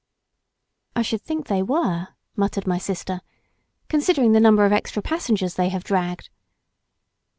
"I should think they were," muttered my sister, "considering the number of extra passengers they have dragged."